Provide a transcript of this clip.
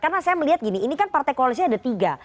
karena saya melihat gini ini kan partai koalisnya ada tiga